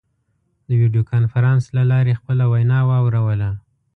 د ویډیو کنفرانس له لارې خپله وینا واوروله.